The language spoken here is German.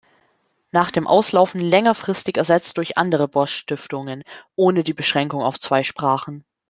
Nach dem Auslaufen längerfristig ersetzt durch andere Bosch-Stiftungen, ohne die Beschränkung auf zwei Sprachen.